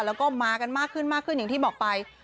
แล้วก็มากันมากขึ้นอย่างที่บอกไป